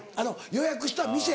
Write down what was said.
予約した店